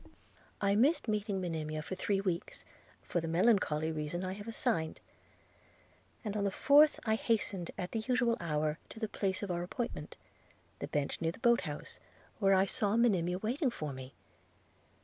'I missed meeting Monimia for three weeks, for the melancholy reason I have assigned; and on the fourth I hastened, at the usual hour, to the place of our appointment, the bench near the boat house, where I saw Monimia waiting for me.